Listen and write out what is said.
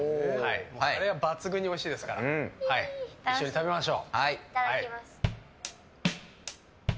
カレーは抜群にうまいですから一緒に食べましょう。